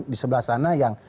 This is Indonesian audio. di sebelah sana yang